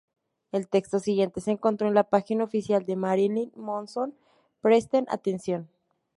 El texto siguiente se encontró en la página oficial de Marilyn Manson: "Presten atención!